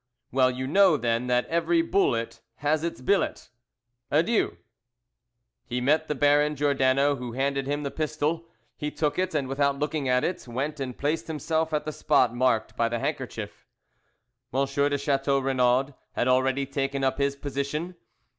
"Well, you know, then, that every bullet has its billet. Adieu!" He met the Baron Giordano, who handed him the pistol; he took it, and, without looking at it, went and placed himself at the spot marked by the handkerchief. M. de Chateau Renaud had already taken up his position.